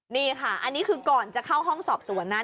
นี่ค่ะอันนี้คือก่อนจะเข้าห้องสอบสวนนะ